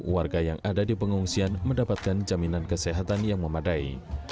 warga yang ada di pengungsian mendapatkan jaminan kesehatan yang memadai